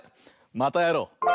またやろう！